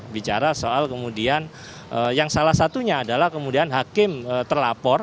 bicara soal kemudian yang salah satunya adalah kemudian hakim terlapor